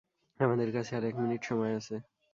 আমাদের কাছে আর এক মিনিট সময় আছে।